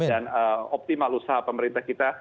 optimal usaha pemerintah kita